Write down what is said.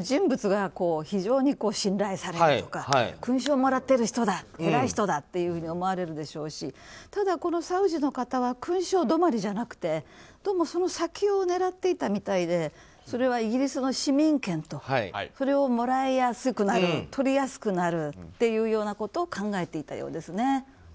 人物が非常に信頼されているとか勲章をもらっている人だ偉い人だと思われるでしょうしただ、このサウジの方は勲章止まりじゃなくてどうも、その先を狙っていたみたいでそれはイギリスの市民権とそれをもらいやすくなるとりやすくなるということを考えていたようですね。